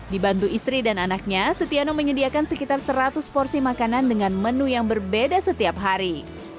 dibantu istri dan anaknya setiano menyediakan sekitar seratus porsi makanan dengan menu yang berbeda setiap hari